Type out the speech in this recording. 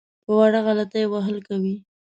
په وړه غلطۍ وهل کوي.